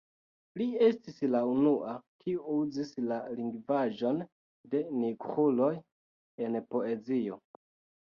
Li estis la unua kiu uzis la lingvaĵon de nigruloj en poezio.